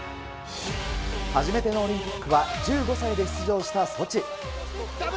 初めてのオリンピックは１５歳で出場したソチ。